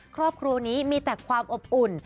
ครอบครัวนี้มีแต่ความอบอุ่น